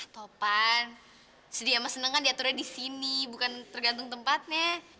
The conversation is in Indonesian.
topan sedih sama senang kan diaturnya di sini bukan tergantung tempatnya